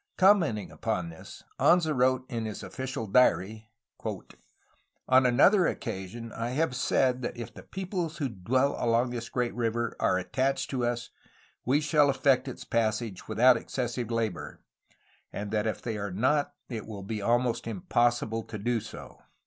Commenting upon this, Anza wrote in his official diary: "On another occasion I have said that if the peoples who dwell along this great river are attached to us we shall effect its passage without excessive labor, and that if they are not, it will be almost impossible to do so."